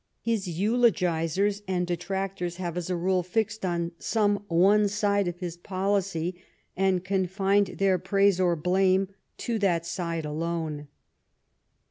His eulogisers and detractors have, as a rule, fixed on some one side of his policy, and confined their praise or blame to that side alone.